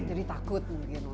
jadi takut mungkin